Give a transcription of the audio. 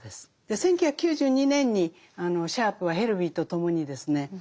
１９９２年にシャープはヘルヴィーとともにですね